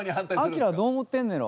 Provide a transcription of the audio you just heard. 彰はどう思ってんねやろ？